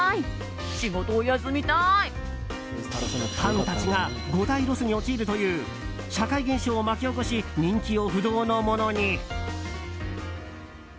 ファンたちが五代ロスに陥るという社会現象を巻き起こし人気を不動のものに。